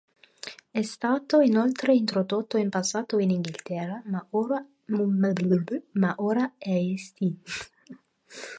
È stato inoltre introdotto in passato in Inghilterra, ma ora è estinto.